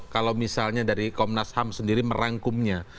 kalau misalnya dari komnas ham sendiri merangkumnya